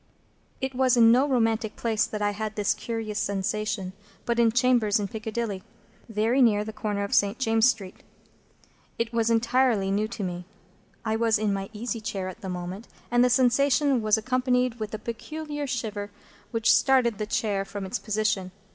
It was in no romantic place that I had this curious sensation, but in chambers in Piccadilly, very near to the corner of St. James's Street. It was entirely new to me. I was in my easy chair at the moment, and the sensation was accompanied with a peculiar shiver which started the chair from its position.